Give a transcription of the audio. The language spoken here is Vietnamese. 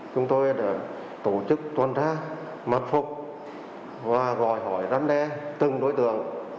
chúng tôi đã tổ chức tuần tra mật phục và gọi hỏi răn đe từng đối tượng